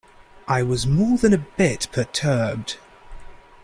I was more than a bit perturbed.